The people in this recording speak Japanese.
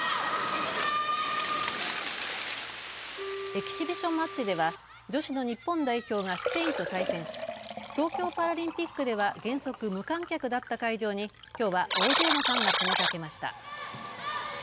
エキシビションマッチでは女子の日本代表がスペインと対戦し東京パラリンピックでは原則、無観客だった会場にきょうは大勢のファンが詰めかけました。